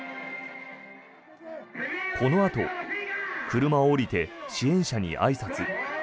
このあと、車を降りて支援者にあいさつ。